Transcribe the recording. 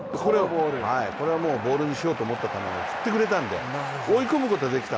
これはもうボールにしようとした球を振ってくれたので、追い込むことはできた。